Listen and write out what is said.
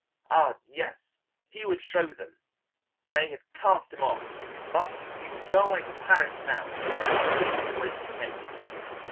Ah, yes, he would show them; they had cast him off, but he would go away to Paris now as he had always intended.